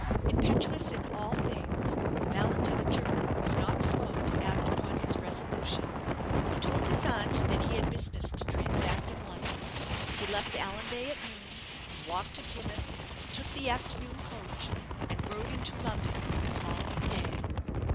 Impetuous in all things, Valentine Jernam was not slow to act upon his resolution. He told his aunt that he had business to transact in London. He left Allanbay at noon, walked to Plymouth, took the afternoon coach, and rode into London on the following day.